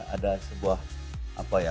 ada sebuah apa ya